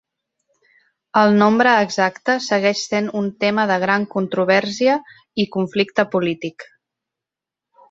El nombre exacte segueix sent un tema de gran controvèrsia i conflicte polític.